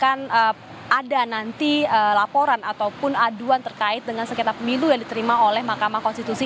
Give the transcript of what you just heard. akan ada nanti laporan ataupun aduan terkait dengan sengketa pemilu yang diterima oleh mahkamah konstitusi